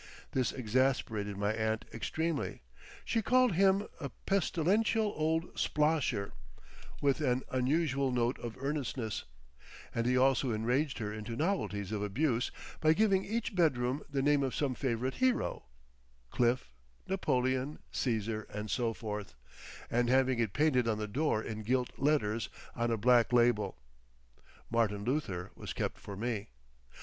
This exasperated my aunt extremely—she called him a "Pestilential old Splosher" with an unusual note of earnestness—and he also enraged her into novelties of abuse by giving each bedroom the name of some favourite hero—Cliff, Napoleon, Cæsar, and so forth—and having it painted on the door in gilt letters on a black label. "Martin Luther" was kept for me.